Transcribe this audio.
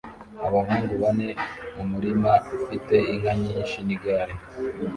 Abahungu bane mumurima ufite inka nyinshi nigare